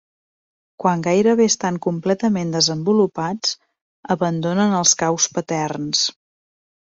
Quan gairebé estan completament desenvolupats abandonen els caus paterns.